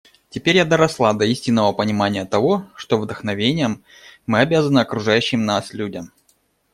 Теперь я доросла до истинного понимания того, что вдохновением мы обязаны окружающим нас людям.